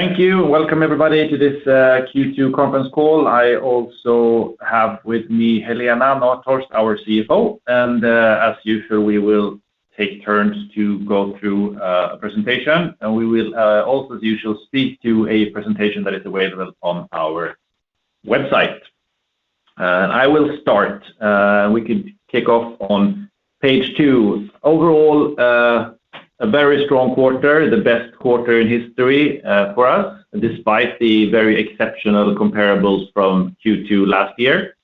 Thank you. Welcome everybody to this Q2 Conference Call. I also have with me Helena Nathhorst, our CFO, and as usual, we will take turns to go through a presentation, and we will also, as usual, speak to a presentation that is available on our website. I will start. We can kick off on page two. Overall, a very strong quarter, the best quarter in history for us, despite the very exceptional comparables from Q2 last year.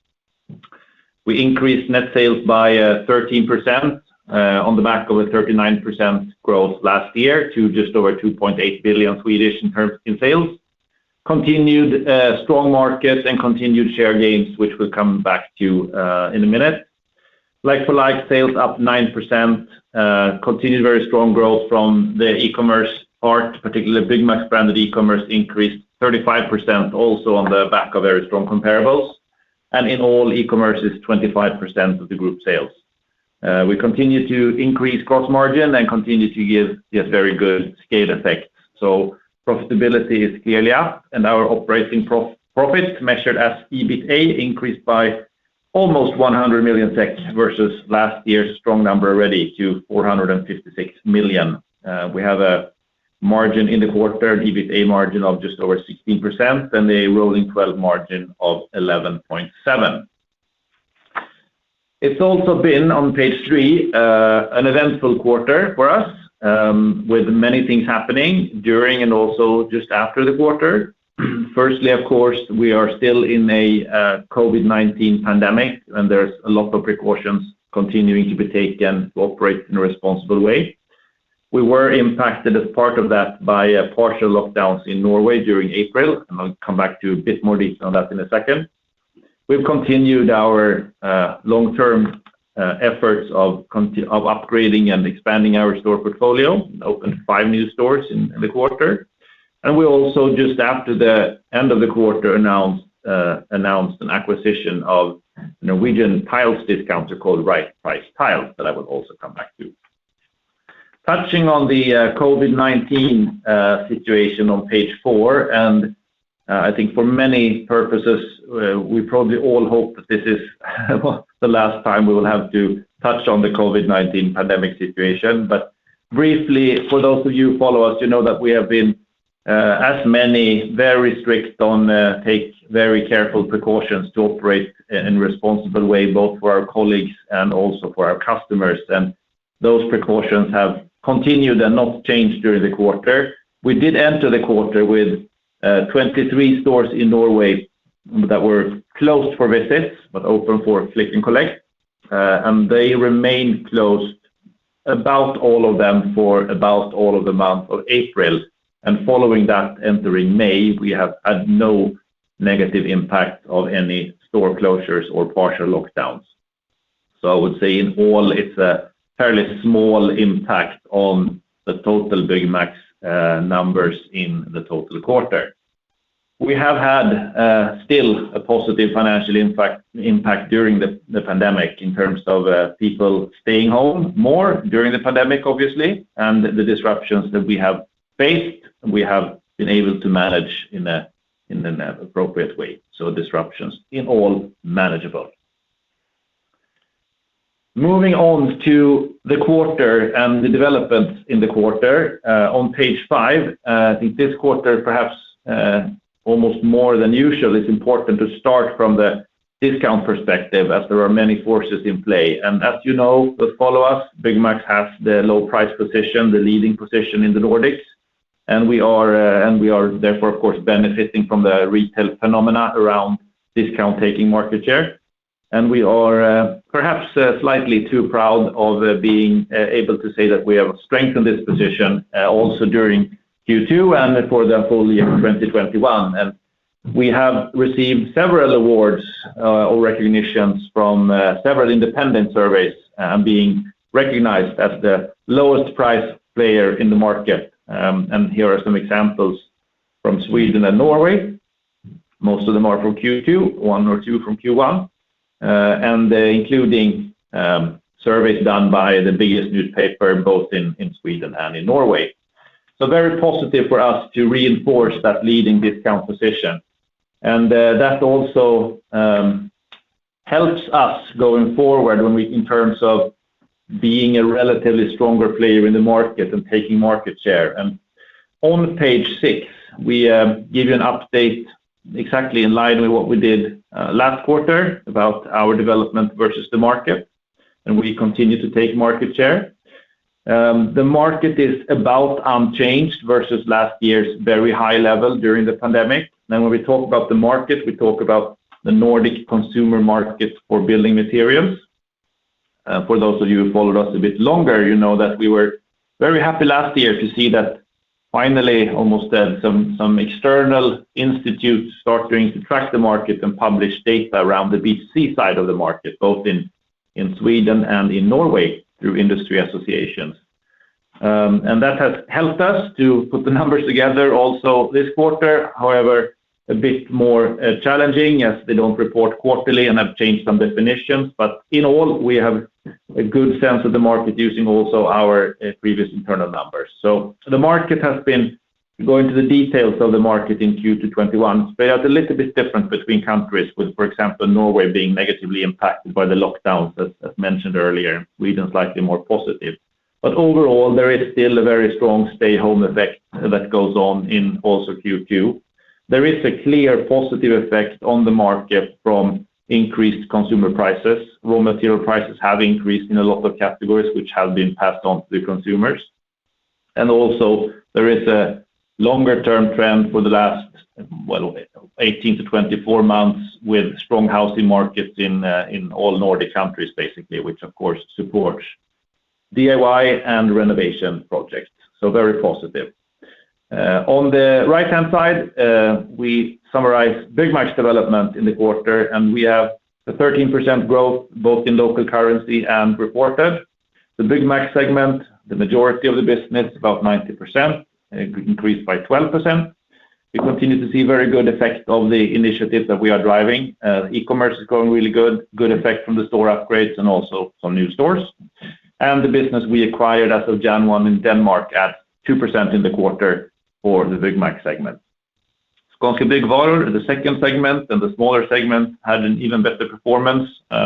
We increased net sales by 13% on the back of a 39% growth last year to just over 2.8 billion in sales. Continued strong markets and continued share gains, which we will come back to in a minute. Like-for-like sales up 9%, continued very strong growth from the e-commerce part, particularly Byggmax's branded e-commerce increased 35% also on the back of very strong comparables. In all e-commerce is 25% of the group sales. We continue to increase gross margin and continue to give a very good scale effect. Profitability is clearly up and our operating profit, measured as EBITA, increased by almost 100 million SEK versus last year's strong number already to 456 million. We have a margin in the quarter, an EBITA margin of just over 16% and a rolling 12 margin of 11.7%. It's also been, on page three, an eventful quarter for us, with many things happening during and also just after the quarter. Firstly, of course, we are still in a COVID-19 pandemic, and there's a lot of precautions continuing to be taken to operate in a responsible way. We were impacted as part of that by partial lockdowns in Norway during April, I'll come back to a bit more detail on that in a second. We've continued our long-term efforts of upgrading and expanding our store portfolio, opened five new stores in the quarter. We also just after the end of the quarter, announced an acquisition of a Norwegian tiles discounter called Right Price Tiles that I will also come back to. Touching on the COVID-19 situation on page four, and I think for many purposes, we probably all hope that this is the last time we will have to touch on the COVID-19 pandemic situation. Briefly, for those of you who follow us, you know that we have been, as many, very strict on take very careful precautions to operate in a responsible way, both for our colleagues and also for our customers. Those precautions have continued and not changed during the quarter. We did enter the quarter with 23 stores in Norway that were closed for visits, but open for click and collect. They remained closed all of them for all of the month of April. Following that, entering May, we have had no negative impact of any store closures or partial lockdowns. I would say in all, it's a fairly small impact on the total Byggmax numbers in the total quarter. We have had still a positive financial impact during the pandemic in terms of people staying home more during the pandemic, obviously, and the disruptions that we have faced, we have been able to manage in an appropriate way. Disruptions in all are manageable. Moving on to the quarter and the developments in the quarter, on page five, I think this quarter, perhaps almost more than usual, it is important to start from the discount perspective as there are many forces in play. As you know, those who follow us, Byggmax has the low price position, the leading position in the Nordics. We are therefore, of course, benefiting from the retail phenomena around discount taking market share. We are perhaps slightly too proud of being able to say that we have strengthened this position also during Q2 and for the full year 2021. We have received several awards or recognitions from several independent surveys and being recognized as the lowest price player in the market. Here are some examples from Sweden and Norway. Most of them are from Q2, one or two from Q1, including surveys done by the biggest newspaper, both in Sweden and in Norway. Very positive for us to reinforce that leading discount position. That also helps us going forward in terms of being a relatively stronger player in the market and taking market share. On page six, we give you an update exactly in line with what we did last quarter about our development versus the market, and we continue to take market share. The market is about unchanged versus last year's very high level during the pandemic. When we talk about the market, we talk about the Nordic consumer market for building materials. For those of you who followed us a bit longer, you know that we were very happy last year to see that finally almost some external institutes starting to track the market and publish data around the B2C side of the market, both in Sweden and in Norway through industry associations. That has helped us to put the numbers together also this quarter. However, a bit more challenging as they don't report quarterly and have changed some definitions. In all, we have a good sense of the market using also our previous internal numbers. To go into the details of the market in Q2 2021, they are a little bit different between countries, with, for example, Norway being negatively impacted by the lockdowns, as mentioned earlier, Sweden is slightly more positive. Overall, there is still a very strong stay-home effect that goes on in also Q2. There is a clear positive effect on the market from increased consumer prices. Raw material prices have increased in a lot of categories, which have been passed on to the consumers. Also there is a longer-term trend for the last 18-24 months with strong housing markets in all Nordic countries basically, which of course support DIY and renovation projects. Very positive. On the right-hand side, we summarize Byggmax development in the quarter, and we have a 13% growth both in local currency and reported. The Byggmax segment, the majority of the business, about 90%, increased by 12%. We continue to see very good effects of the initiatives that we are driving. E-commerce is going really good effect from the store upgrades and also some new stores. The business we acquired as of January 1 in Denmark at 2% in the quarter for the Byggmax segment. Skånska Byggvaror, the second segment and the smaller segment, had an even better performance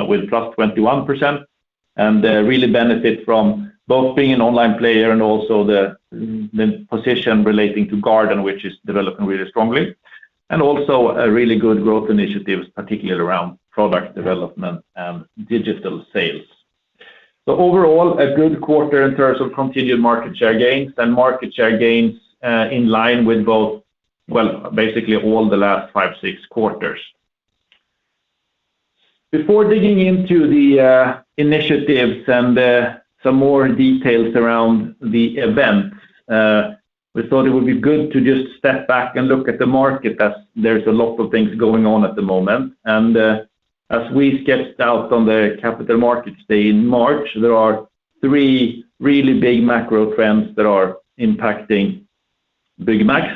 with +21% and really benefit from both being an online player and also the position relating to garden, which is developing really strongly, and also really good growth initiatives, particularly around product development and digital sales. Overall, a good quarter in terms of continued market share gains and market share gains in line with basically all the last five, six quarters. Before digging into the initiatives and some more details around the events, we thought it would be good to just step back and look at the market as there's a lot of things going on at the moment. As we sketched out on the Capital Markets Day in March, there are three really big macro trends that are impacting Byggmax.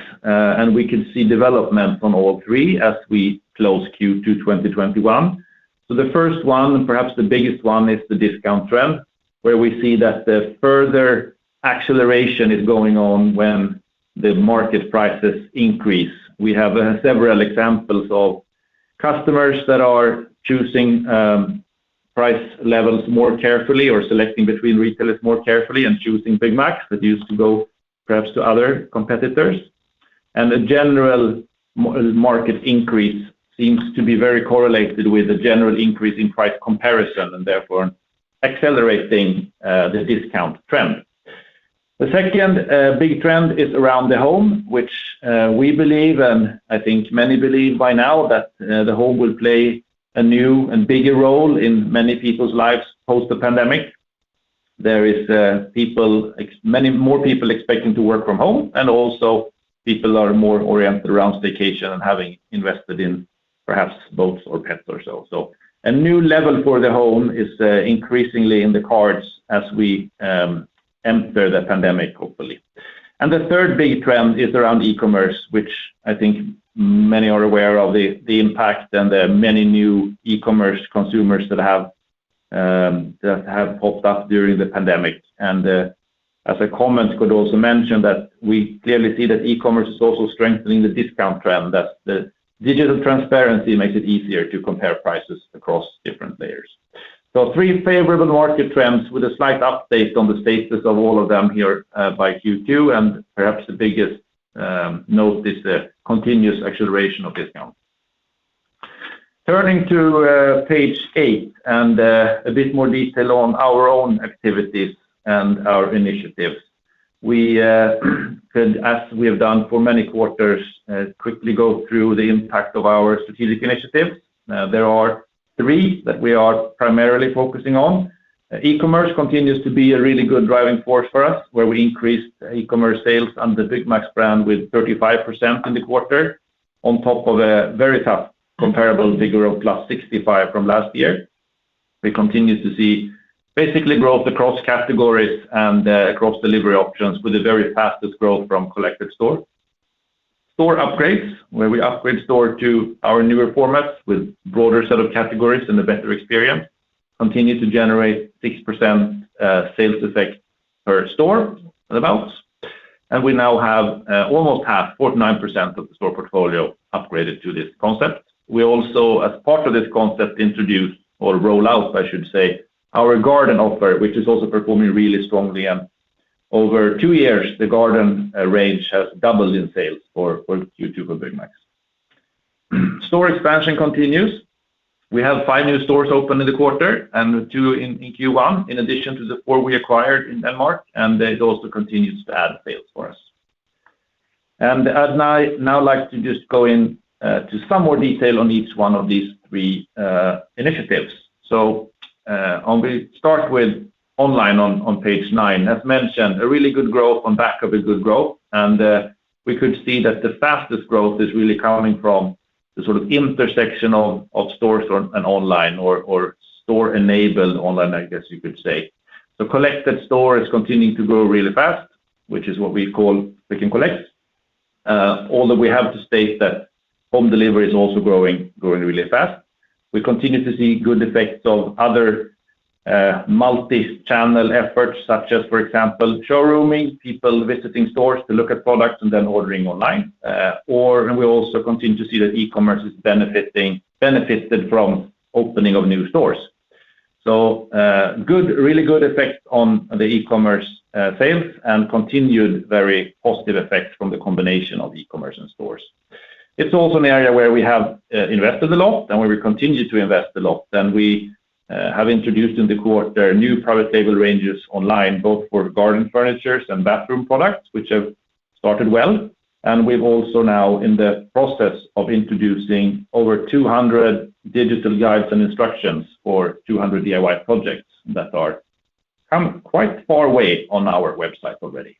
We can see development on all three as we close Q2 2021. The first one, perhaps the biggest one, is the discount trend, where we see that the further acceleration is going on when the market prices increase. We have several examples of customers that are choosing price levels more carefully or selecting between retailers more carefully and choosing Byggmax that used to go perhaps to other competitors. The general market increase seems to be very correlated with the general increase in price comparison and therefore accelerating the discount trend. The second big trend is around the home, which we believe, and I think many believe by now, that the home will play a new and bigger role in many people's lives post the pandemic. There is more people expecting to work from home, and also people are more oriented around staycation and having invested in perhaps boats or pets or so. A new level for the home is increasingly in the cards as we enter the pandemic, hopefully. The third big trend is around e-commerce, which I think many are aware of the impact and the many new e-commerce consumers that have popped up during the pandemic. As a comment could also mention that we clearly see that e-commerce is also strengthening the discount trend, that the digital transparency makes it easier to compare prices across different layers. Three favorable market trends with a slight update on the status of all of them here by Q2, and perhaps the biggest note is the continuous acceleration of discount. Turning to page eight and a bit more detail on our own activities and our initiatives. We could, as we have done for many quarters, quickly go through the impact of our strategic initiatives. There are three that we are primarily focusing on. E-commerce continues to be a really good driving force for us, where we increased e-commerce sales on the Byggmax brand with 35% in the quarter on top of a very tough comparable figure of plus 65% from last year. We continue to see basically growth across categories and across delivery options with the very fastest growth from collect in store. Store upgrades, where we upgrade store to our newer formats with broader set of categories and a better experience, continue to generate 6% sales effect per store, about. We now have almost half, 49% of the store portfolio upgraded to this concept. We also, as part of this concept, introduced or roll out, I should say, our garden offer, which is also performing really strongly. Over two years, the garden range has doubled in sales for Q2 for Byggmax. Store expansion continues. We have five new stores open in the quarter and two in Q1, in addition to the four we acquired in Denmark, and that also continues to add sales for us. I'd now like to just go in to some more detail on each one of these three initiatives. We start with online on page nine. As mentioned, a really good growth on back of a good growth, and we could see that the fastest growth is really coming from the sort of intersection of stores and online or store-enabled online, I guess you could say. Collected store is continuing to grow really fast, which is what we call click and collect. Although we have to state that home delivery is also growing really fast. We continue to see good effects of other multi-channel efforts such as, for example, showrooming, people visiting stores to look at products and then ordering online. We also continue to see that e-commerce has benefited from opening of new stores. Really good effect on the e-commerce sales and continued very positive effect from the combination of e-commerce and stores. It's also an area where we have invested a lot, and we continue to invest a lot. We have introduced in the quarter new private label ranges online, both for garden furnitures and bathroom products, which have started well. We're also now in the process of introducing over 200 digital guides and instructions for 200 DIY projects that have come quite far away on our website already.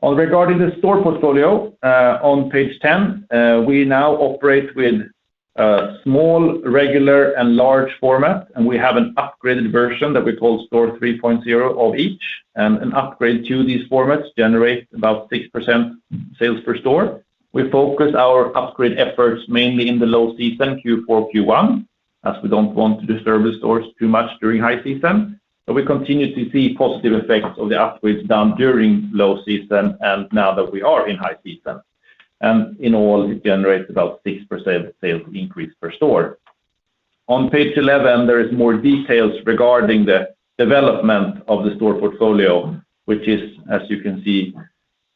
Regarding the store portfolio, on page 10, we now operate with small, regular, and large format, and we have an upgraded version that we call Store 3.0 of each. An upgrade to these formats generates about 6% sales per store. We focus our upgrade efforts mainly in the low season, Q4, Q1, as we don't want to disturb the stores too much during high season. We continue to see positive effects of the upgrades done during low season, and now that we are in high season. In all, it generates about 6% sales increase per store. On page 11, there is more details regarding the development of the store portfolio, which is, as you can see,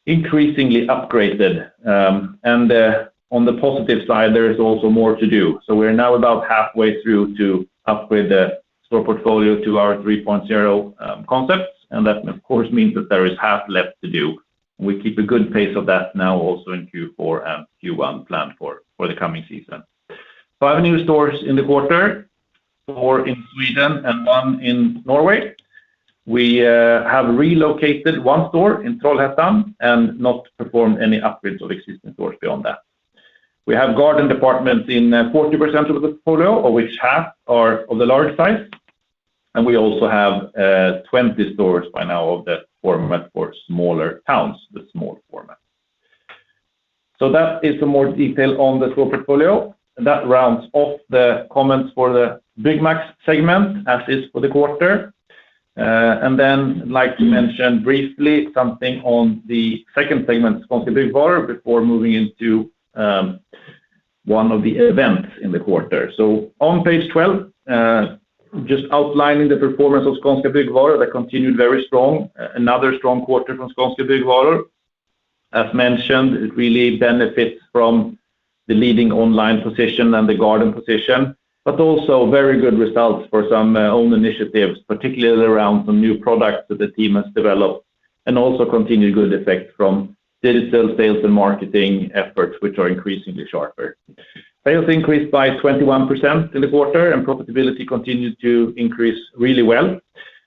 increasingly upgraded. On the positive side, there is also more to do. We are now about halfway through to upgrade the store portfolio to our Store 3.0 concept, and that of course means that there is half left to do. We keep a good pace of that now also in Q4 and Q1 planned for the coming season. Five new stores in the quarter, four in Sweden and 1 in Norway. We have relocated one store in Trollhättan and not performed any upgrades of existing stores beyond that. We have garden departments in 40% of the portfolio, of which half are of the large type. We also have 20 stores by now of that format for smaller towns, the small format. That is the more detail on the store portfolio. That rounds off the comments for the Byggmax segment as is for the quarter. I'd like to mention briefly something on the second segment, Skånska Byggvaror, before moving into one of the events in the quarter. On page 12, just outlining the performance of Skånska Byggvaror that continued very strong. Another strong quarter from Skånska Byggvaror. As mentioned, it really benefits from the leading online position and the garden position, but also very good results for some own initiatives, particularly around some new products that the team has developed, and also continued good effect from digital sales and marketing efforts, which are increasingly sharper. Sales increased by 21% in the quarter, and profitability continued to increase really well.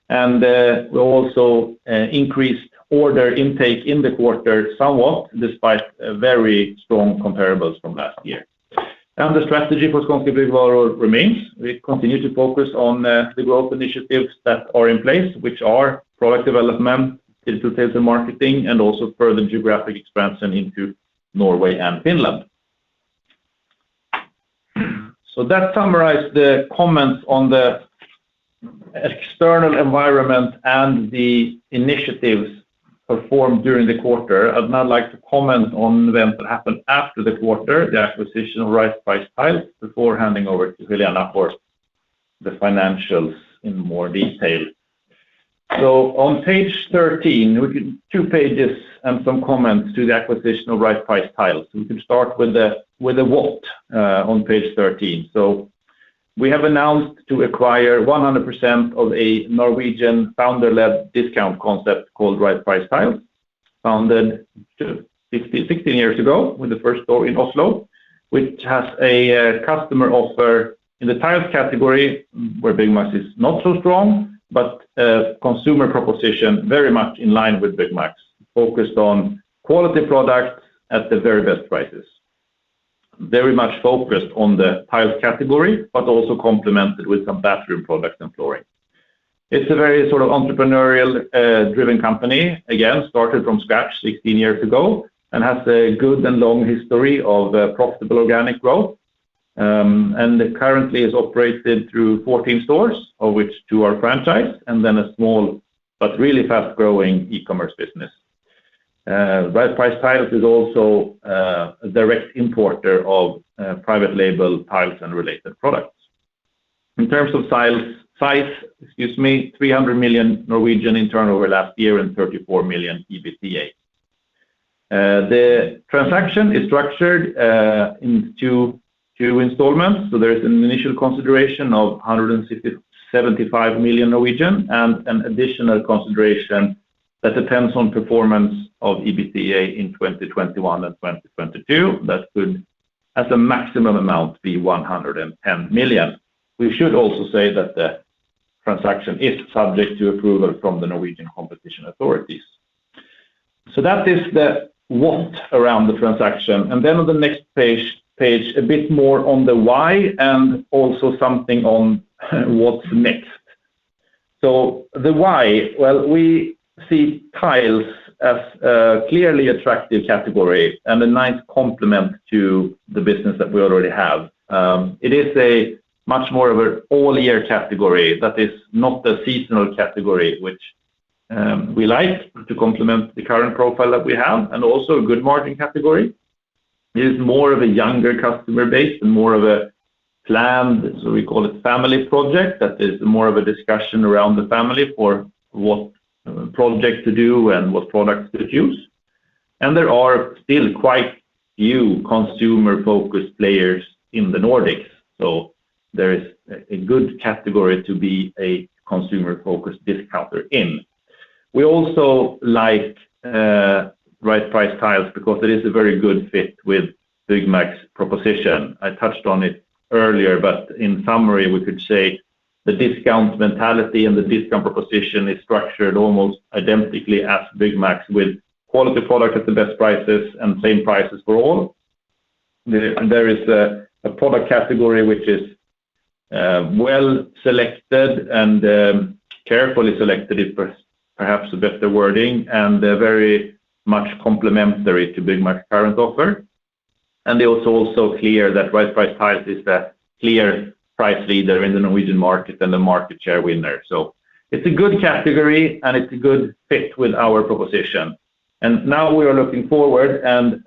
We also increased order intake in the quarter somewhat, despite very strong comparables from last year. The strategy for Skånska Byggvaror remains. We continue to focus on the growth initiatives that are in place, which are product development, digital sales and marketing, and also further geographic expansion into Norway and Finland. That summarized the comments on the external environment and the initiatives performed during the quarter. I'd now like to comment on events that happened after the quarter, the acquisition of Right Price Tiles, before handing over to Helena for the financials in more detail. On page 13, two pages and some comments to the acquisition of Right Price Tiles. We can start with the what on page 13. We have announced to acquire 100% of a Norwegian founder-led discount concept called Right Price Tiles, founded 16 years ago with the first store in Oslo, which has a customer offer in the tile category where Byggmax is not so strong, but a consumer proposition very much in line with Byggmax, focused on quality product at the very best prices. Very much focused on the tile category, but also complemented with some bathroom products and flooring. It's a very entrepreneurial-driven company, again, started from scratch 16 years ago and has a good and long history of profitable organic growth. It currently is operated through 14 stores, of which two are franchised, and then a small but really fast-growing e-commerce business. Right Price Tile is also a direct importer of private label tiles and related products. In terms of size, 300 million in turnover last year and 34 million EBITA. The transaction is structured in two installments. There's an initial consideration of 175 million and an additional consideration that depends on performance of EBITA in 2021 and 2022. That could, at the maximum amount, be 110 million. We should also say that the transaction is subject to approval from the Norwegian competition authorities. That is the what around the transaction. On the next page, a bit more on the why and also something on what's next. The why? Well, we see tiles as a clearly attractive category and a nice complement to the business that we already have. It is much more of an all-year category that is not a seasonal category, which we like to complement the current profile that we have, and also a good margin category. It is more of a younger customer base and more of a planned, we call it family project. That is more of a discussion around the family for what project to do and what products to choose. There are still quite few consumer-focused players in the Nordics, so there is a good category to be a consumer-focused discounter in. We also like Right Price Tiles because it is a very good fit with Byggmax's proposition. I touched on it earlier, but in summary, we could say the discount mentality and the discount proposition is structured almost identically as Byggmax with quality product at the best prices and same prices for all. There is a product category which is well selected and carefully selected is perhaps a better wording, and they're very much complementary to Byggmax current offer. They also clear that Right Price Tiles is a clear price leader in the Norwegian market and the market share winner. It's a good category and it's a good fit with our proposition. Now we are looking forward and,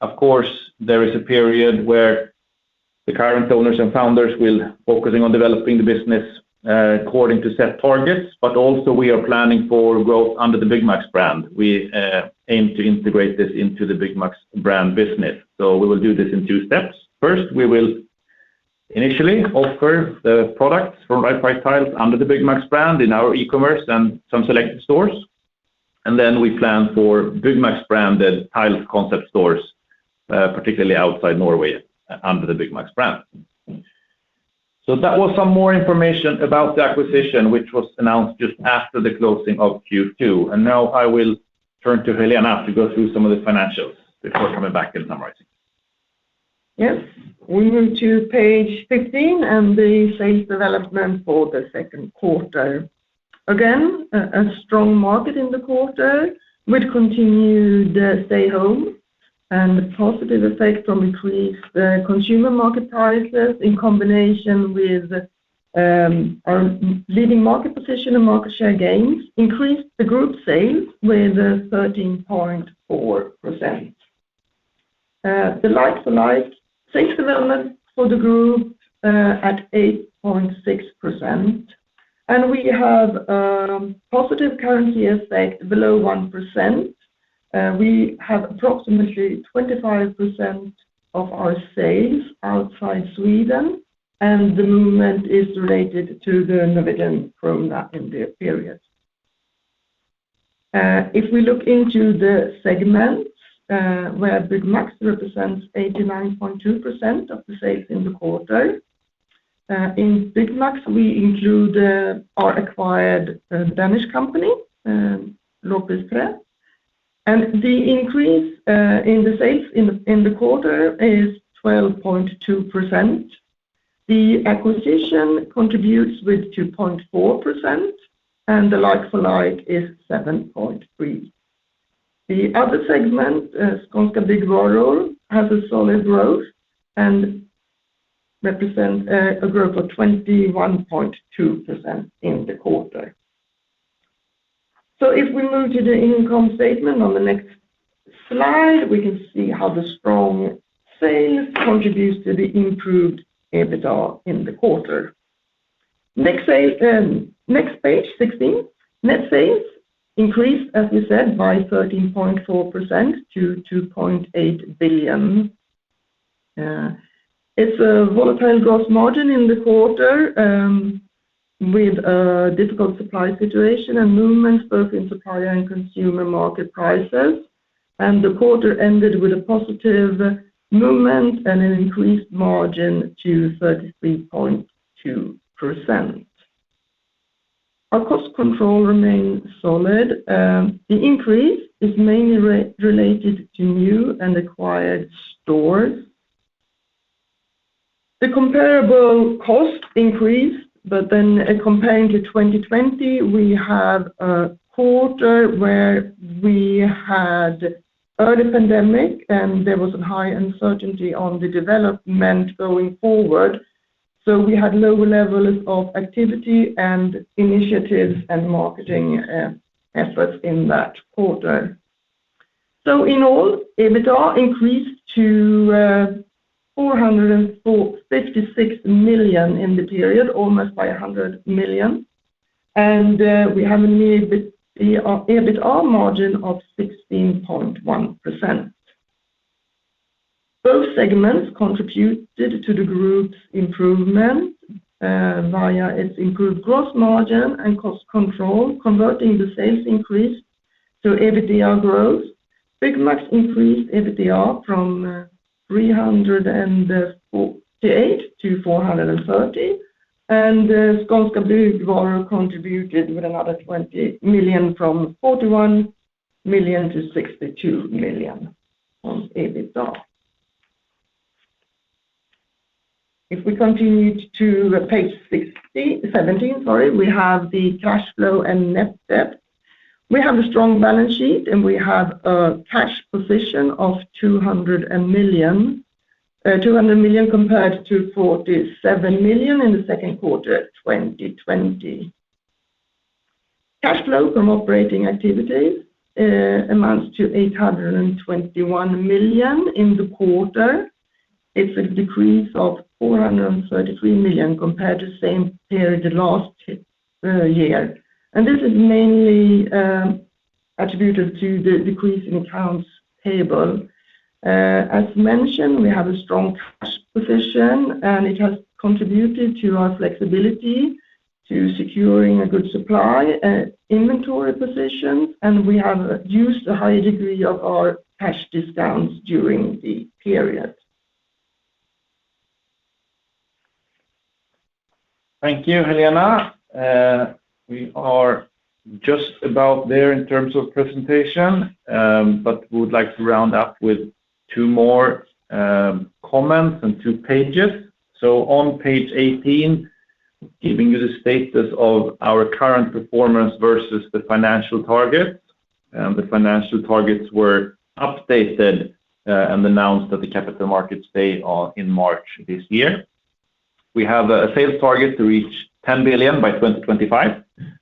of course, there is a period where the current owners and founders will be focusing on developing the business according to set targets, but also we are planning for growth under the Byggmax brand. We aim to integrate this into the Byggmax brand business. We will do this in two steps. First, we will initially offer the product from Right Price Tiles under the Byggmax brand in our e-commerce and some selected stores, and then we plan for Byggmax branded tile concept stores, particularly outside Norway under the Byggmax brand. That was some more information about the acquisition, which was announced just after the closing of Q2. Now I will turn to Helena to go through some of the financials before coming back with the summary. Yes. We move to page 15 and the sales development for the second quarter. Again, a strong market in the quarter with continued stay home and the positive effect on increased consumer market prices in combination with our leading market position and market share gains increased the group sales with 13.4%. The like-for-like sales development for the group at 8.6% and we have a positive currency effect below 1%. We have approximately 25% of our sales outside Sweden, and the movement is related to the Norwegian krone in the period. If we look into the segments where Byggmax represents 89.2% of the sales in the quarter. In Byggmax, we include our acquired Danish company, Lobis.dk, and the increase in the sales in the quarter is 12.2%. The acquisition contributes with 2.4% and the like-for-like is 7.3%. The other segment, Skånska Byggvaror, has a solid growth and represents a growth of 21.2% in the quarter. If we move to the income statement on the next slide, we can see how the strong sales contributes to the improved EBITDA in the quarter. Next page, 16. Net sales increased, as we said, by 13.4% to 2.8 billion. It's a volatile gross margin in the quarter with a difficult supply situation and movement both in supply and consumer market prices, and the quarter ended with a positive movement and an increased margin to 33.2%. Our cost control remained solid. The increase is mainly related to new and acquired stores. The comparable cost increased, but then compared to 2020, we had a quarter where we had early pandemic, and there was a high uncertainty on the development going forward. We had lower levels of activity and initiatives and marketing efforts in that quarter. In all, EBITDA increased to 456 million in the period, almost by 100 million, and we have an EBITDA margin of 16.1%. Both segments contributed to the group's improvement via its improved gross margin and cost control, converting the sales increase to EBITDA growth. Byggmax increased EBITDA from 348 - 430, and Skånska Byggvaror contributed with another 20 million from 41 million - 62 million on EBITDA. If we continue to page 16, 17 sorry, we have the cash flow and net debt. We have a strong balance sheet, and we have a cash position of 200 million compared to 47 million in the second quarter of 2020. Cash flow from operating activity amounts to 821 million in the quarter. It's a decrease of 433 million compared to the same period last year. This is mainly attributed to the decrease in accounts payable. As mentioned, we have a strong cash position, and it has contributed to our flexibility to securing a good supply and inventory position, and we have used a high degree of our cash discounts during the period. Thank you, Helena. We are just about there in terms of presentation, but we would like to round up with two more comments and two pages. On page 18, giving you the status of our current performance versus the financial target, and the financial targets were updated and announced at the Capital Markets Day in March this year. We have a sales target to reach 10 billion by 2025.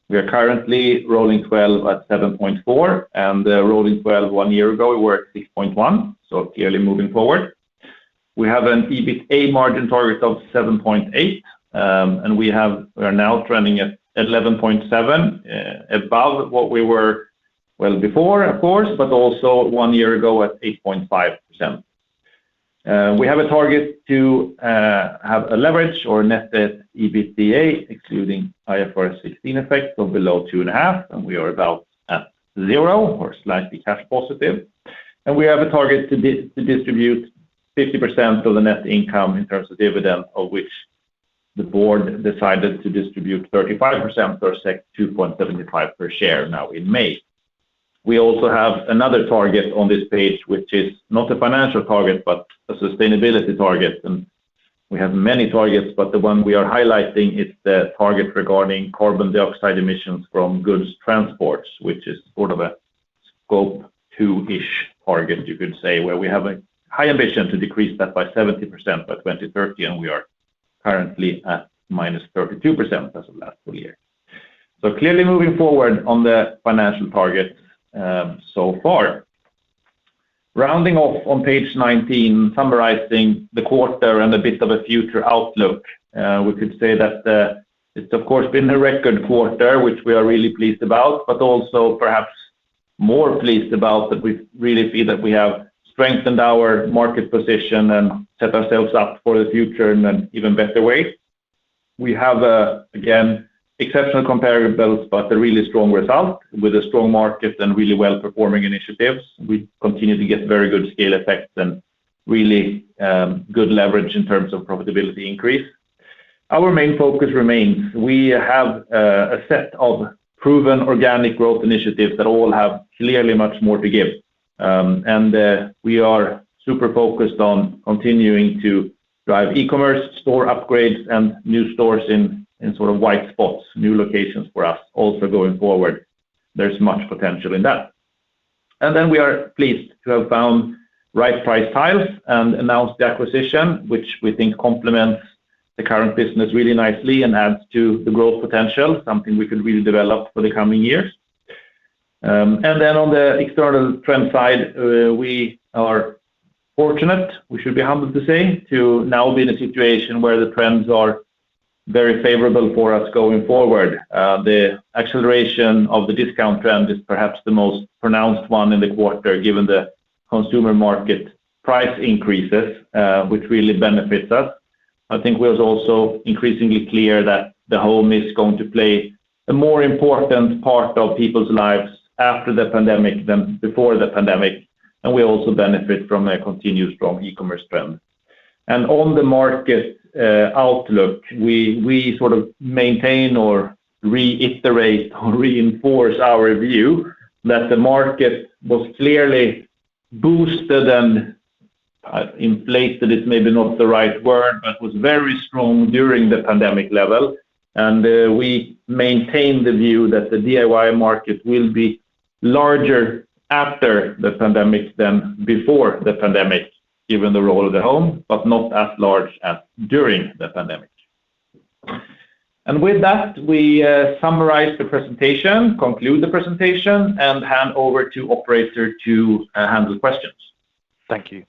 We are currently rolling 12 at 7.4 and rolling 12 one year ago, we were at 6.1, so clearly moving forward. We have an EBITDA margin target of 7.8%, and we are now trending at 11.7%, above what we were well before, of course, but also one year ago at 8.5%. We have a target to have a leverage or net debt EBITDA excluding IFRS 16 effects of below 2.5, and we are about at zero or slightly cash positive. We have a target to distribute 50% of the net income in terms of dividend, of which the board decided to distribute 35% or 2.75 per share now in May. We also have another target on this page, which is not a financial target, but a sustainability target, and we have many targets, but the one we are highlighting is the target regarding carbon dioxide emissions from goods transports, which is sort of a Scope 2-ish target, you could say, where we have a high ambition to decrease that by 70% by 2030, and we are currently at -32% as of last full year. Clearly moving forward on the financial target so far. Rounding off on page 19, summarizing the quarter and a bit of a future outlook, we could say that it's of course been a record quarter, which we are really pleased about, but also perhaps more pleased about that we really feel that we have strengthened our market position and set ourselves up for the future in an even better way. We have, again, exceptional comparables, but a really strong result with a strong market and really well-performing initiatives. We continue to get very good scale effects and really good leverage in terms of profitability increase. Our main focus remains we have a set of proven organic growth initiatives that all have clearly much more to give. We are super focused on continuing to drive e-commerce, store upgrades, and new stores in sort of white spots, new locations for us also going forward. There's much potential in that. We are pleased to have found Right Price Tiles and announced the acquisition, which we think complements the current business really nicely and adds to the growth potential, something we can really develop for the coming years. On the external trend side, we are fortunate, we should be able to say, to now be in a situation where the trends are very favorable for us going forward. The acceleration of the discount trend is perhaps the most pronounced one in the quarter, given the consumer market price increases, which really benefits us. I think we're also increasingly clear that the home is going to play a more important part of people's lives after the pandemic than before the pandemic, and we also benefit from a continued strong e-commerce trend. On the market outlook, we sort of maintain or reiterate or reinforce our view that the market was clearly boosted and inflated is maybe not the right word, but was very strong during the pandemic level. We maintain the view that the DIY market will be larger after the pandemic than before the pandemic, given the role of the home, but not as large as during the pandemic. With that, we summarize the presentation, conclude the presentation, and hand over to operator to handle questions. Thank you.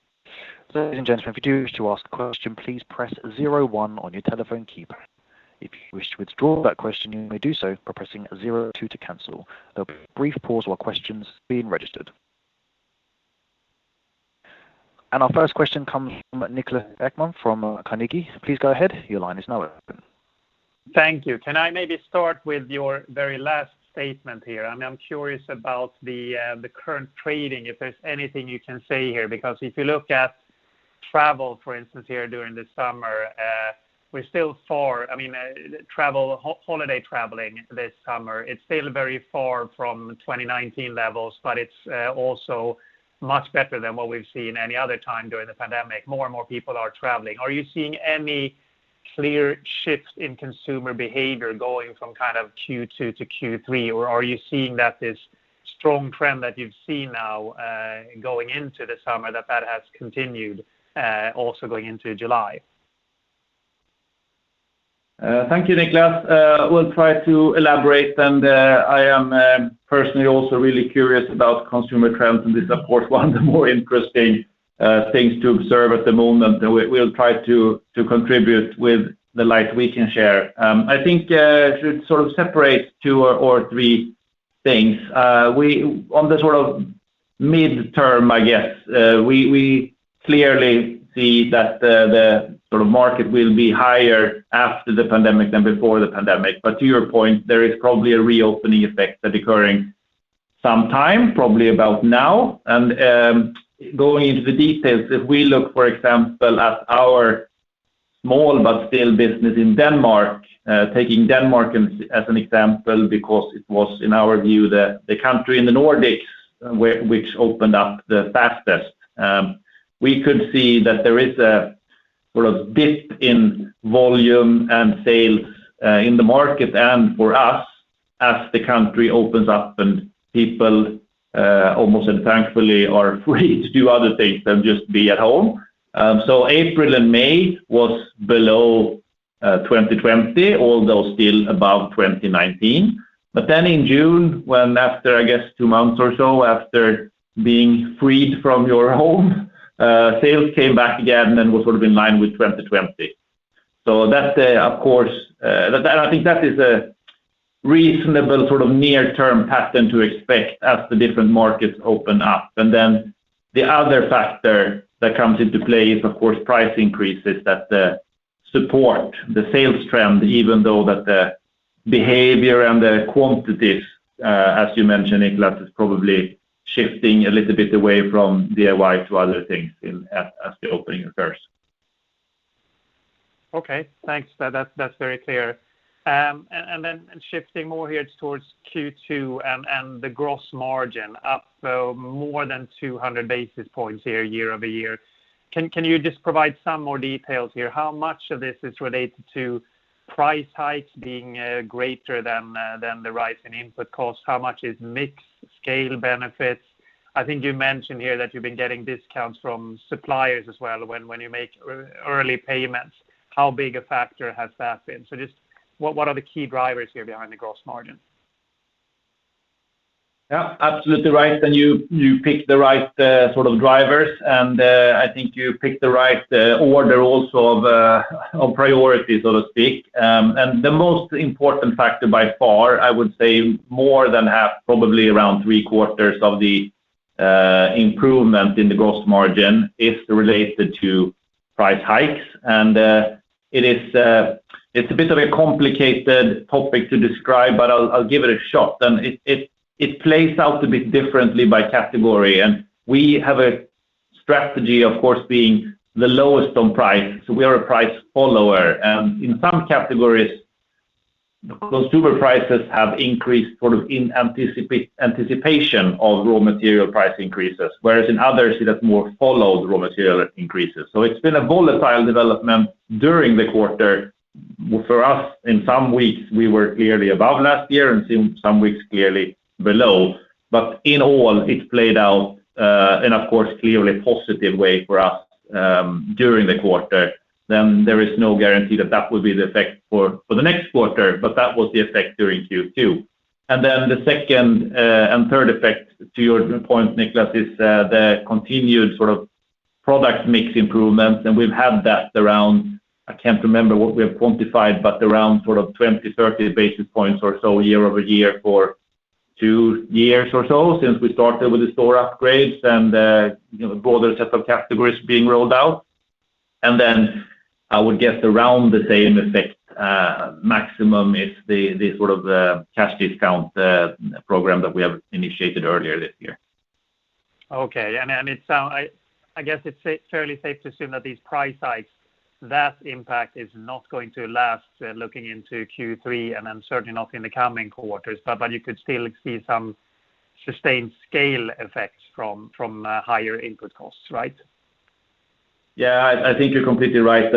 Our first question comes from Niklas Ekman from Carnegie. Please go ahead. Your line is now open. Thank you. Can I maybe start with your very last statement here? I'm curious about the current trading, if there's anything you can say here, because if you look at travel, for instance, here during the summer, we're still far. I mean, holiday traveling this summer, it's still very far from 2019 levels, but it's also much better than what we've seen any other time during the pandemic. More and more people are traveling. Are you seeing any clear shifts in consumer behavior going from Q2 to Q3? Or are you seeing that this strong trend that you've seen now going into the summer, that has continued also going into July? Thank you, Niklas. We'll try to elaborate. I am personally also really curious about consumer trends. This is of course 1 of the more interesting things to observe at the moment. We'll try to contribute with the light we can share. I think I should separate two or three things. On the midterm, I guess, we clearly see that the market will be higher after the pandemic than before the pandemic. To your point, there is probably a reopening effect that occurring sometime, probably about now. Going into the details, if we look, for example, at our small but still business in Denmark, taking Denmark as an example because it was in our view the country in the Nordics which opened up the fastest. We could see that there is a dip in volume and sales in the market and for us as the country opens up and people almost and thankfully are free to do other things than just be at home. April and May was below 2020, although still above 2019. In June, when after, I guess, two months or so after being freed from your home, sales came back again and was sort of in line with 2020. That, I think that is a reasonable near-term pattern to expect as the different markets open up. The other factor that comes into play is of course price increases that support the sales trend even though that the behavior and the quantities, as you mentioned, Niklas, is probably shifting a little bit away from DIY to other things as the opening occurs. Okay, thanks. That's very clear. Then shifting over here towards Q2 and the gross margin up more than 200 basis points here year-over-year. Can you just provide some more details here? How much of this is related to price hikes being greater than the rise in input cost? How much is mixed scale benefits? I think you mentioned here that you've been getting discounts from suppliers as well when you make early payments. How big a factor has that been? Just what are the key drivers here behind the gross margin? Yeah, absolutely right. You picked the right sort of drivers, and I think you picked the right order also of priority, so to speak. The most important factor by far, I would say more than half, probably around three quarters of the improvement in the gross margin is related to price hikes. It's a bit of a complicated topic to describe, but I'll give it a shot. It plays out a bit differently by category, and we have a strategy, of course, being the lowest on price. We are a price follower. In some categories, consumer prices have increased in anticipation of raw material price increases, whereas in others, you have more followed raw material increases. It's been a volatile development during the quarter for us. In some weeks, we were clearly above last year, and some weeks clearly below. In all, it played out in, of course, a clearly positive way for us during the quarter. Then there is no guarantee that would be the effect for the next quarter, but that was the effect during Q2. Then the second and third effect to your point, Niklas, is the continued product mix improvement. We've had that around, I can't remember what we have quantified, but around 20, 30 basis points or so year-over-year for two years or so since we started with the store upgrades and a broader set of categories being rolled out. Then I would guess around the same effect maximum is the sort of cash discount program that we have initiated earlier this year. Okay. I guess it's fairly safe to assume that these price hikes, that impact is not going to last looking into Q3 and certainly not in the coming quarters. You could still see some sustained scale effects from higher input costs, right? Yeah, I think you're completely right.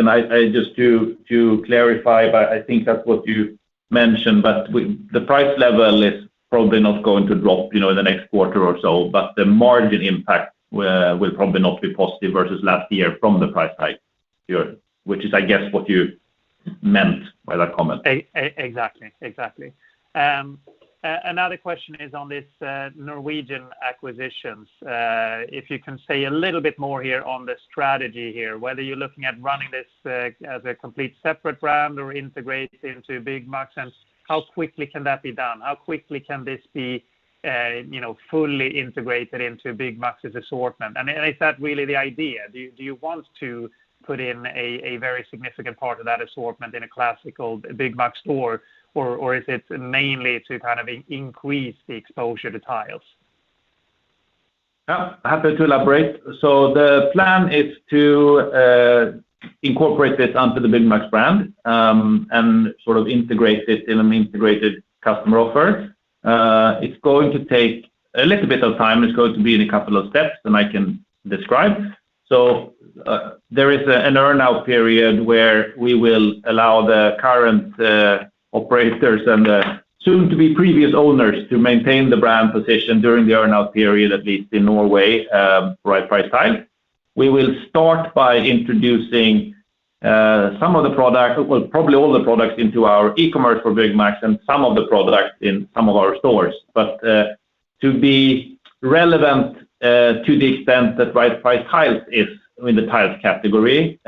Just to clarify, but I think that's what you mentioned, that the price level is probably not going to drop in the next quarter or so, but the margin impact will probably not be positive versus last year from the price hike. Which is, I guess, what you meant by that comment. Exactly. Another question is on these Norwegian acquisitions. If you can say a little bit more here on the strategy here, whether you're looking at running this as a complete separate brand or integrate into Byggmax, and how quickly can that be done? How quickly can this be fully integrated into Byggmax's assortment? Is that really the idea? Do you want to put in a very significant part of that assortment in a classical Byggmax store, or is it mainly to increase the exposure to tiles? Happy to elaborate. The plan is to incorporate it onto the Byggmax brand, and integrate it in an integrated customer offer. It's going to take a little bit of time. It's going to be in a couple of steps that I can describe. There is an earn-out period where we will allow the current operators and the soon-to-be previous owners to maintain the brand position during the earn-out period, at least in Norway, Right Price Tiles. We will start by introducing some of the products, well, probably all the products into our e-commerce for Byggmax and some of the products in some of our stores. To be relevant to the extent that Right Price Tiles is in the tiles category,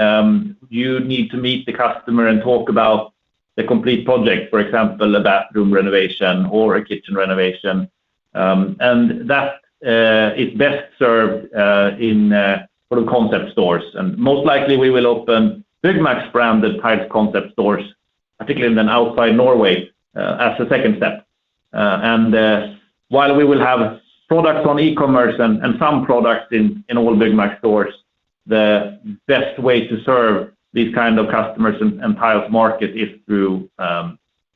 you need to meet the customer and talk about the complete project, for example, a bathroom renovation or a kitchen renovation. That is best served in concept stores. Most likely we will open Byggmax branded tile concept stores, particularly then outside Norway, as a second step. While we will have products on e-commerce and some products in all Byggmax stores, the best way to serve these kind of customers and tile market is through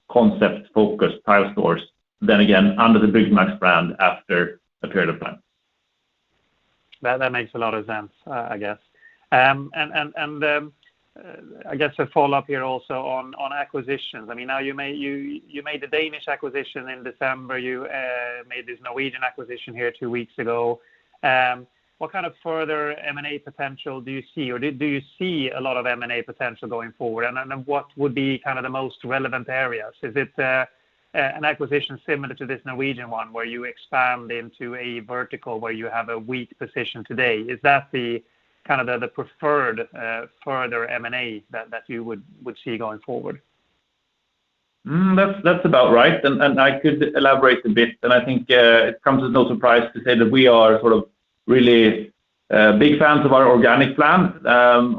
concept-focused tile stores, then again, under the Byggmax brand after a period of time. That makes a lot of sense. I guess a follow-up here also on acquisitions. Now you made a Danish acquisition in December. You made this Norwegian acquisition here two weeks ago. What kind of further M&A potential do you see, or do you see a lot of M&A potential going forward? Then what would be the most relevant areas? Is it an acquisition similar to this Norwegian one where you expand into a vertical where you have a weak position today? Is that the preferred further M&A that you would see going forward? That's about right. I could elaborate a bit. I think it comes as no surprise to say that we are really big fans of our organic plan.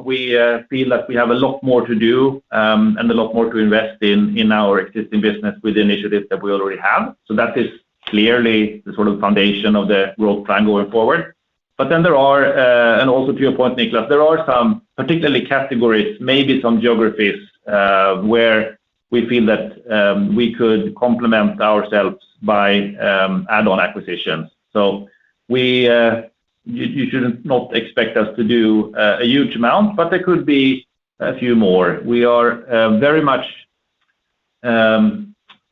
We feel like we have a lot more to do and a lot more to invest in our existing business with initiatives that we already have. That is clearly the foundation of the growth plan going forward. There are, and also to your point, Niklas, there are some particularly categories, maybe some geographies, where we feel that we could complement ourselves by add-on acquisitions. You should not expect us to do a huge amount, but there could be a few more. We are very much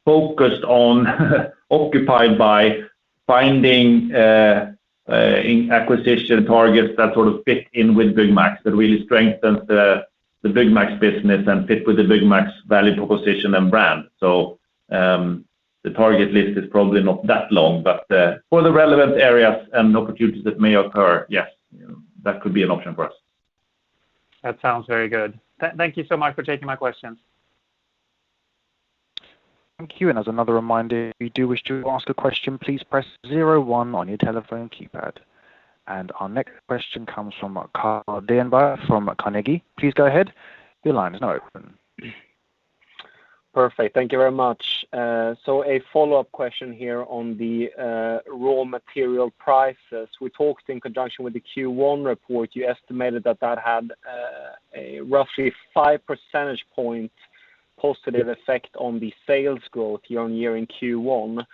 focused on, occupied by finding acquisition targets that sort of fit in with Byggmax, that really strengthen the Byggmax business and fit with the Byggmax value proposition and brand. The target list is probably not that long, but for the relevant areas and opportunities that may occur, yes, that could be an option for us. That sounds very good. Thank you so much for taking my questions. Thank you. Our next question comes from Carl Deijenberg from Carnegie. Please go ahead. Your line is now open. Perfect. Thank you very much. A follow-up question here on the raw material prices. We talked in conjunction with the Q1 report, you estimated that had a roughly 5 percentage point positive effect on the sales growth year-on-year in Q1,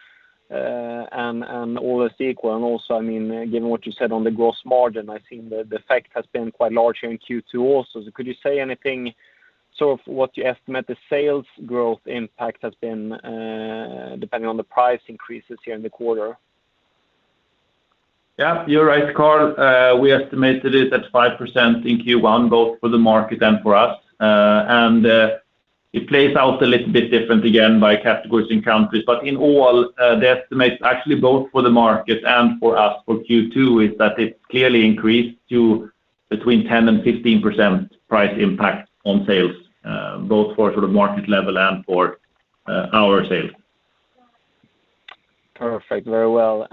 and all else equal. Also, again, what you said on the gross margin, I think the effect has been quite large here in Q2 also. Could you say anything, sort of what you estimate the sales growth impact has been, depending on the price increases here in the quarter? Yeah, you're right, Carl. We estimated it at 5% in Q1, both for the market and for us. It plays out a little bit different again by categories and countries. In all, the estimate actually both for the market and for us for Q2 is that it clearly increased to between 10% and 15% price impact on sales, both for market level and for our sales. Perfect. Very well.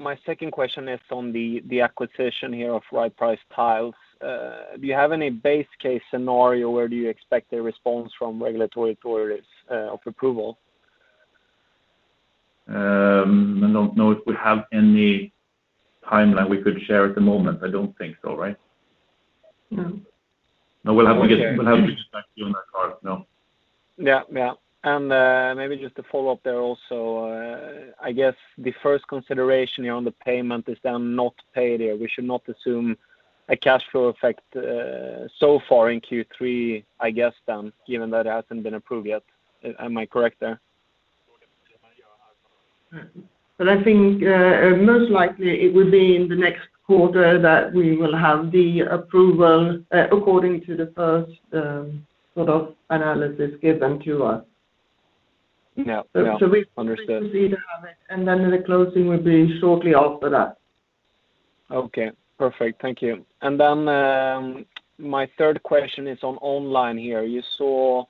My second question is on the acquisition here of Right Price Tiles. Do you have any base case scenario where you expect a response from regulatory authorities of approval? No. If we have any timeline we could share at the moment, I don't think so, right? No. No. We'll have to get back to you on that, Carl. No. Yeah. Maybe just to follow up there also, I guess the first consideration here on the payment is then not paid here. We should not assume a cash flow effect so far in Q3, I guess then, given that it hasn't been approved yet. Am I correct there? I think most likely it would be in the next quarter that we will have the approval according to the first sort of analysis given to us. Yeah. Understood. The closing would be shortly after that. Okay, perfect. Thank you. My third question is on online here. You saw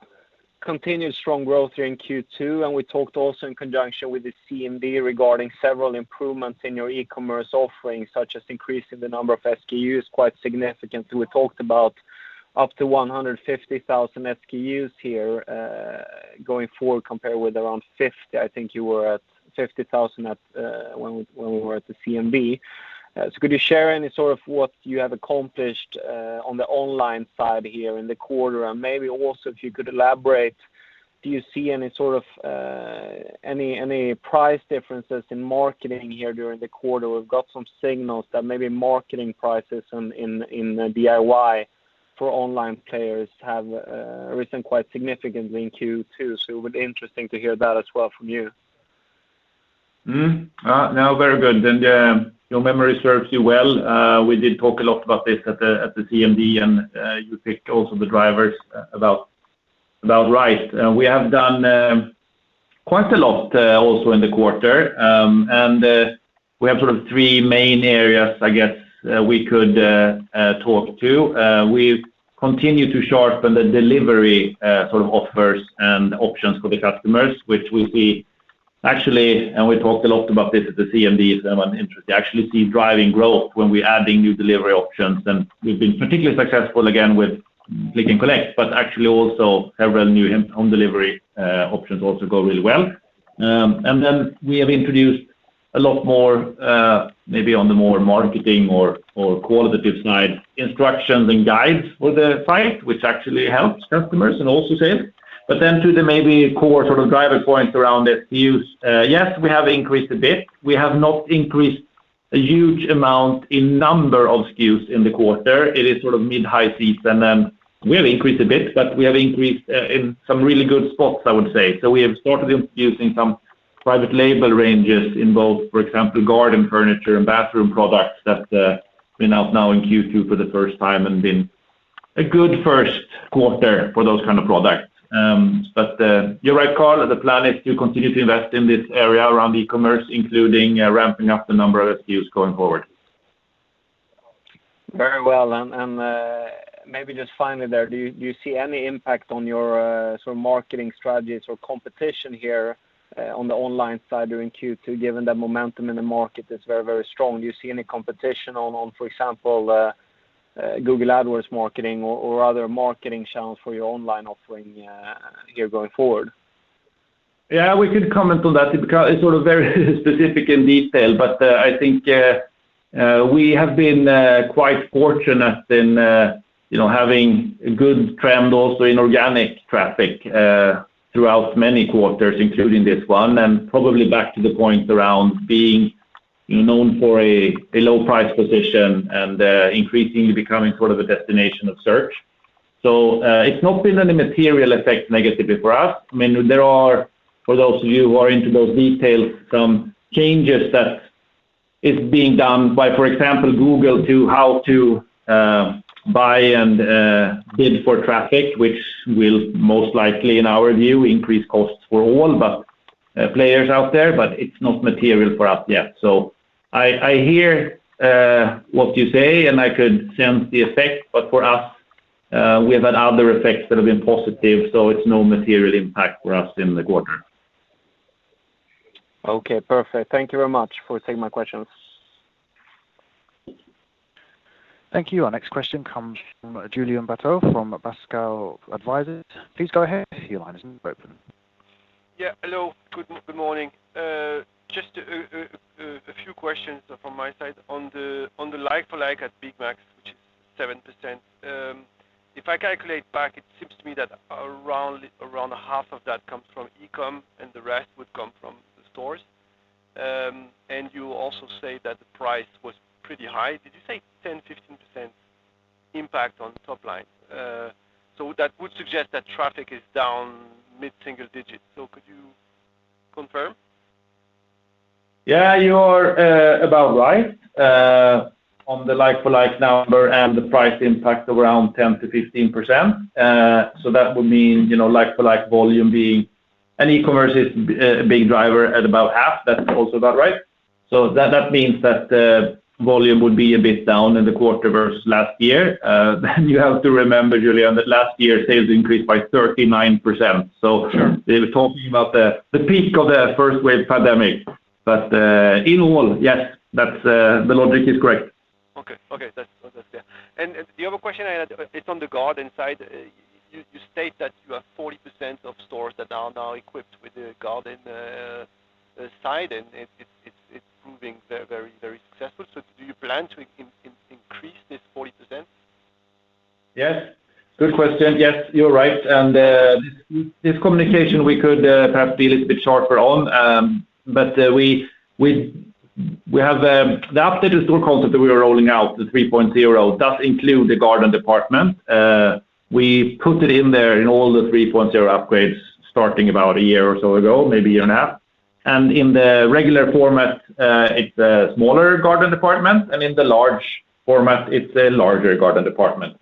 continued strong growth here in Q2, we talked also in conjunction with the CMD regarding several improvements in your e-commerce offering, such as increasing the number of SKUs quite significantly. We talked about up to 150,000 SKUs here, going forward compared with around 50. I think you were at 50,000 when we were at the CMD. Could you share any of what you have accomplished on the online side here in the quarter? Maybe also if you could elaborate, do you see any price differences in marketing here during the quarter? We've got some signals that maybe marketing prices in the DIY for online players have risen quite significantly in Q2. It would be interesting to hear that as well from you. No, very good. Your memory serves you well. We did talk a lot about this at the CMD and you picked also the drivers about right. We have done quite a lot also in the quarter and we have three main areas, I guess, we could talk to. We've continued to sharpen the delivery offers and options for the customers, which we see actually, and we talked a lot about this at the CMD, it's an interest, you actually see driving growth when we adding new delivery options. We've been particularly successful again with click and collect, but actually also several new home delivery options also go really well. We have introduced a lot more, maybe on the more marketing or qualitative side, instructions and guides for the site, which actually helps customers and also sales. To the maybe core driver points around the SKUs. Yes, we have increased a bit. We have not increased a huge amount in number of SKUs in the quarter. It is mid-high season. We have increased a bit, but we have increased in some really good spots, I would say. We have started introducing some private label ranges in both, for example, garden furniture and bathroom products that have been out now in Q2 for the first time and been a good first quarter for those kind of products. You're right, Carl, the plan is to continue to invest in this area around e-commerce, including ramping up the number of SKUs going forward. Maybe just finally there, do you see any impact on your marketing strategies or competition here on the online side during Q2, given the momentum in the market is very strong? Do you see any competition on, for example, Google Ads marketing or other marketing channels for your online offering here going forward? Yeah, we could comment on that because it's very specific in detail, but I think we have been quite fortunate in having good trend also in organic traffic throughout many quarters, including this one. Probably back to the point around being known for a low price position and increasingly becoming a destination of search. It's not been any material effect negatively for us. There are, for those of you who are into those details, some changes that is being done by, for example, Google to how to buy and bid for traffic, which will most likely, in our view, increase costs for all the players out there, but it's not material for us yet. I hear what you say, and I could sense the effect, but for us, we have had other effects that have been positive, so it's no material impact for us in the quarter. Okay, perfect. Thank you very much for taking my questions. Thank you. Our next question comes from Julien Batteau from Pascal Advisers. Please go ahead, your line is open. Yeah. Hello, good morning. Just a few questions from my side on the like-for-like at Byggmax, which is 7%. If I calculate back, it seems to me that around half of that comes from e-com and the rest would come from the stores. You also say that the price was pretty high. Did you say 10, 15% impact on top line? That would suggest that traffic is down mid-single digits. Could you confirm? Yeah, you are about right on the like-for-like number and the price impact around 10%-15%. That would mean e-commerce is a big driver at about half. That's also about right. That means that volume would be a bit down in the quarter versus last year. You have to remember, Julien, that last year sales increased by 39%. Sure We're talking about the peak of the first wave pandemic. In all, yes, the logic is correct. Okay. That's clear. The other question, it's on the garden side. You state that you have 40% of stores that are now equipped with the garden side, and it's proving very successful. Do you plan to increase this 40%? Yes. Good question. Yes, you are right. This communication we could perhaps be a little bit sharper on. The updated store concept that we are rolling out, the 3.0, does include the garden department. We put it in there in all the 3.0 upgrades starting about a year or so ago, maybe a year and a half. In the regular format, it is a smaller garden department, and in the large format it is a larger garden department.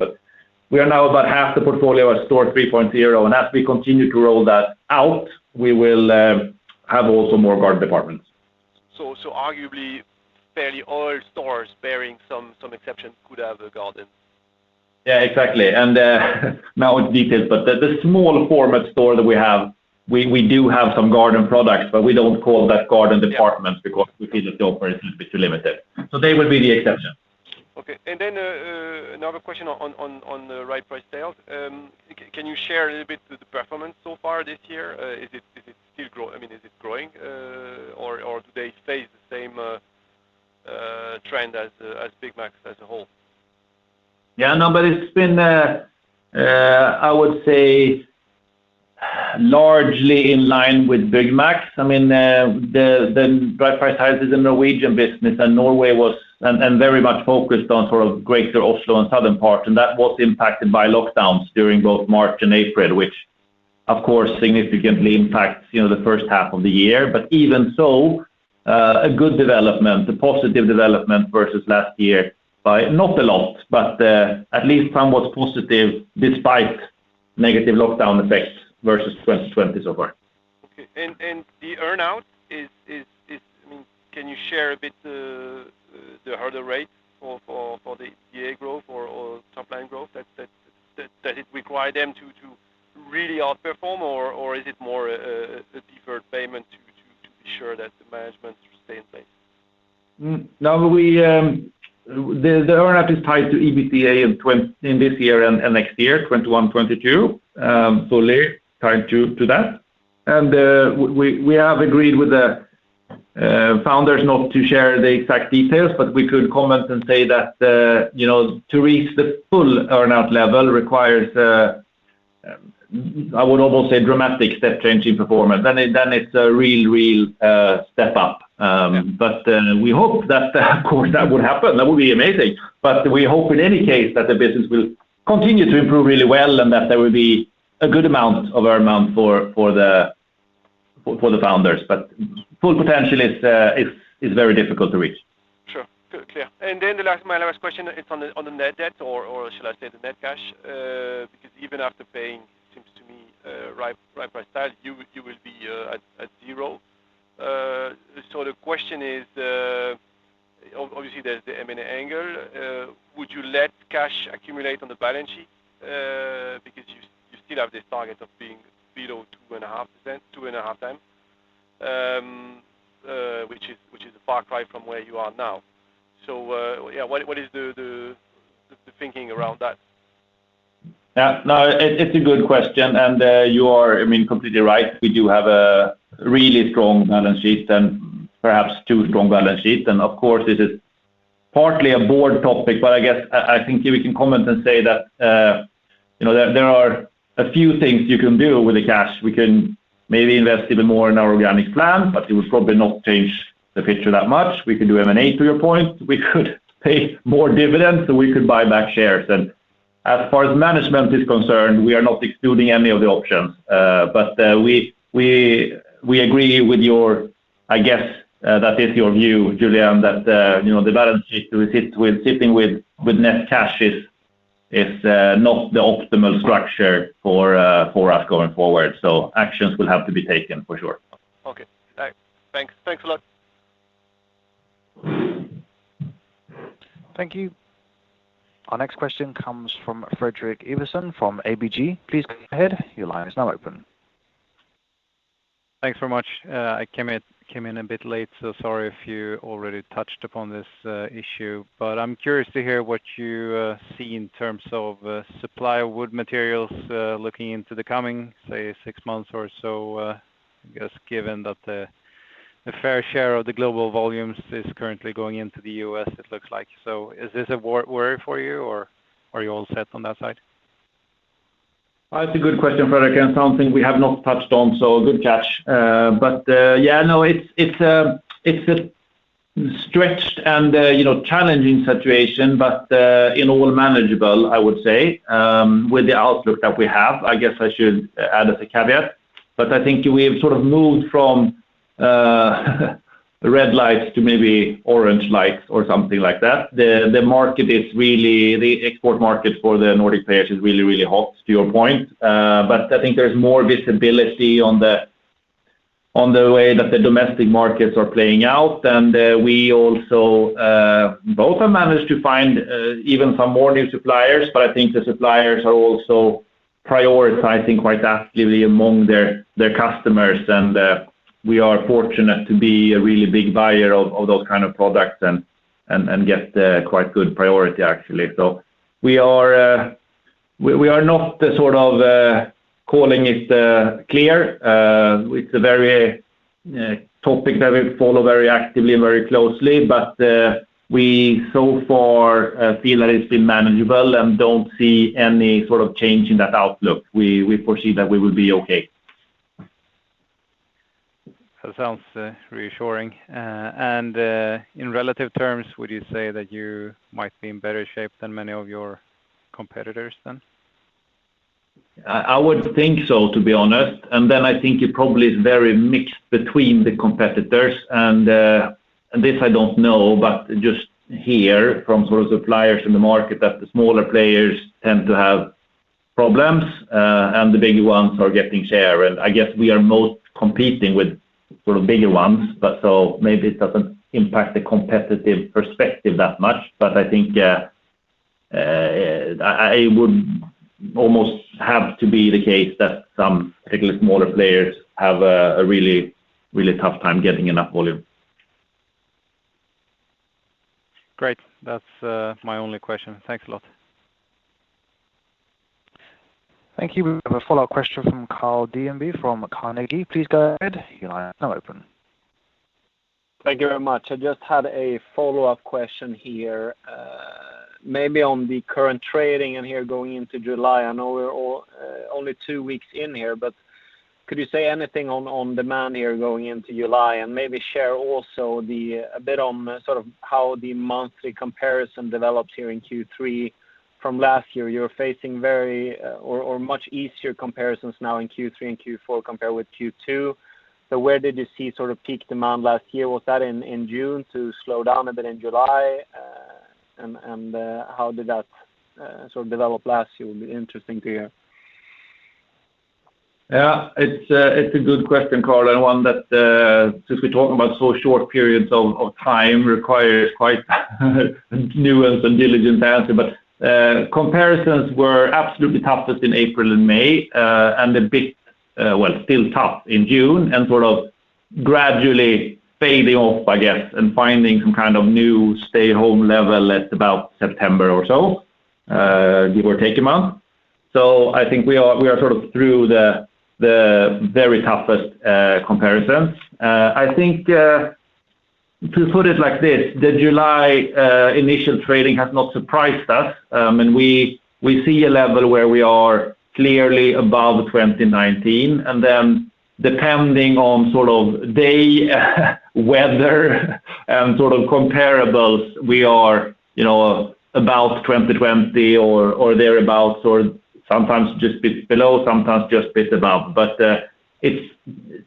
We are now about half the portfolio at Store 3.0, and as we continue to roll that out, we will have also more garden departments. Arguably, fairly all stores, barring some exceptions, could have a garden. Yeah, exactly. Now with details, the small format store that we have, we do have some garden products, but we don't call that garden department because we see the store is a bit limited. They will be the exception. Okay. Another question on the Right Price Tiles. Can you share a little bit the performance so far this year? I mean, it is growing or today stays the same trend as Byggmax as a whole? Yeah. It's been, I would say, largely in line with Byggmax. I mean, the Right Price Tiles has a Norwegian business. Very much focused on sort of greater Oslo and southern parts, that was impacted by lockdowns during both March and April, which of course significantly impacts the first half of the year. Even so, a good development, a positive development versus last year by not a lot, but at least somewhat positive despite negative lockdown effects versus 2020 so far. Okay. The earn-out, can you share a bit, are the rates for the EBITA growth or top-line growth that it require them to really outperform or is it more a deferred payment to be sure that the management stay in place? No, the earn-out is tied to EBITDA in this year and next year, 2021, 2022, fully tied to that. We have agreed with the founders not to share the exact details, but we could comment and say that to reach the full earn-out level requires, I would almost say dramatic step change in performance. Then it's a real step up. We hope that that would happen. That would be amazing. We hope in any case that the business will continue to improve really well and that there will be a good amount of earn-out for the founders, but full potential is very difficult to reach. Sure. Clear. My last question is on the net debt, or should I say the net cash, because even after paying seems to me Right Price Tiles, you will be at zero. The question is, obviously, there's the M&A angle, would you let cash accumulate on the balance sheet? Because you still have the target of being below 2.5%, 2.5X, which is a far cry from where you are now. Yeah, what is the thinking around that? Yeah, no, it's a good question. You are, I mean, completely right. We do have a really strong balance sheet and perhaps too strong balance sheet. Of course, it is partly a board topic, but I guess I think we can comment and say that there are a few things you can do with the cash. We can maybe invest even more in our organic plan, but it would probably not change the picture that much. We can do M&A to your point. We could pay more dividends, we could buy back shares. As far as management is concerned, we are not excluding any of the options. We agree with your I guess that is your view, Julien, that the balance sheet with sitting with net cash is not the optimal structure for us going forward. Actions will have to be taken for sure. Okay. Thanks a lot. Thank you. Our next question comes from Fredrik Ivarsson from ABG. Please go ahead. Thanks so much. I came in a bit late, so sorry if you already touched upon this issue, but I'm curious to hear what you see in terms of supply of wood materials, looking into the coming, say, six months or so. I guess given that the fair share of the global volumes is currently going into the U.S. it looks like. Is this a worry for you or are you all set on that side? That's a good question, Fredrik, and something we have not touched on, so good catch. Yeah, no, it's a stretched and challenging situation, but in all manageable, I would say, with the outlook that we have, I guess I should add at the caveat. I think we've sort of moved from red light to maybe orange light or something like that. The export market for the Nordic players is really hot to your point. I think there's more visibility on the way that the domestic markets are playing out, and we also both have managed to find even some more new suppliers. I think the suppliers are also prioritizing quite actively among their customers, and we are fortunate to be a really big buyer of those kind of products and get quite good priority, actually. We are not the sort of calling it clear. It's a topic that we follow very actively, very closely, but we so far feel that it's been manageable and don't see any sort of change in that outlook. We foresee that we will be okay. That sounds reassuring. In relative terms, would you say that you might be in better shape than many of your competitors then? I would think so, to be honest. I think it probably is very mixed between the competitors. This I don't know, but just hear from sort of suppliers in the market that the smaller players tend to have problems, and the bigger ones are getting share. I guess we are most competing with sort of bigger ones, but so maybe it doesn't impact the competitive perspective that much. I think it would almost have to be the case that some particular smaller players have a really tough time getting enough volume. Great. That's my only question. Thanks a lot. Thank you. We have a follow-up question from Carl Deijenberg from Carnegie. Please go ahead. Your line is now open. Thank you very much. I just had a follow-up question here, maybe on the current trading and here going into July. I know we're only two weeks in here, but could you say anything on demand here going into July and maybe share also a bit on how the monthly comparison develops here in Q3 from last year? You're facing much easier comparisons now in Q3 and Q4 compared with Q2. Where did you see peak demand last year? Was that in June to slow down a bit in July? How did that develop last year? Would be interesting to hear. Yeah, it's a good question, Carl, and one that to be talking about so short periods of time require quite nuance and diligence to answer. Comparisons were absolutely toughest in April and May, and a bit, well, still tough in June, and gradually fading off, I guess, and finding some kind of new stay-home level at about September or so, give or take a month. I think we are through the very toughest comparison. I think, to put it like this, the July initial trading has not surprised us. We see a level where we are clearly above 2019. Depending on day weather and comparables, we are about 2020 or thereabouts, or sometimes just a bit below, sometimes just a bit above.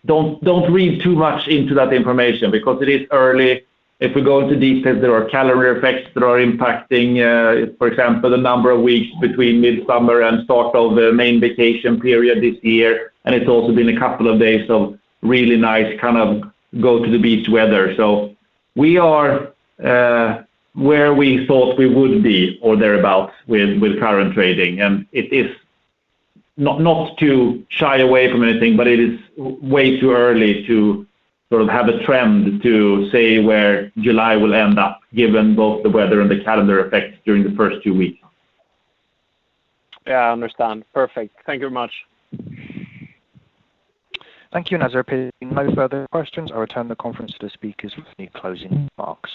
Don't read too much into that information because it is early. If we go into details, there are calendar effects that are impacting, for example, the number of weeks between midsummer and the main vacation period this year. It's also been a couple of days of really nice go-to-the-beach weather. We are where we thought we would be or thereabout with current trading. Not to shy away from anything, but it is way too early to have a trend to say where July will end up, given both the weather and the calendar effects during the first two weeks. Yeah, I understand. Perfect. Thank you very much. Thank you. As there are no further questions, I'll return the conference to the speakers for any closing remarks.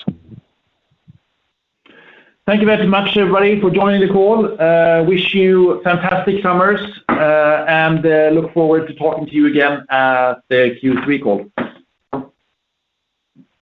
Thank you very much, everybody, for joining the call. Wish you fantastic summers, and look forward to talking to you again at the Q3 call.